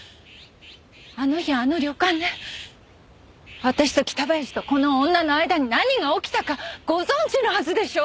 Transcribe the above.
あの日あの旅館で私と北林とこの女の間に何が起きたかご存じのはずでしょう？